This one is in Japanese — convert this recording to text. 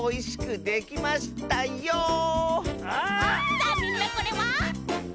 さあみんなこれは？